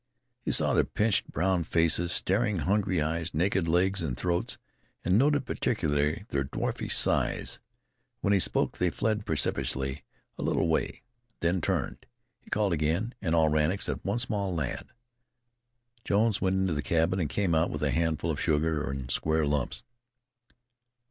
He saw their pinched, brown faces, staring, hungry eyes, naked legs and throats, and noted particularly their dwarfish size. When he spoke they fled precipitously a little way, then turned. He called again, and all ran except one small lad. Jones went into the cabin and came out with a handful of sugar in square lumps.